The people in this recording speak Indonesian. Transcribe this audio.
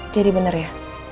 jadi benar ya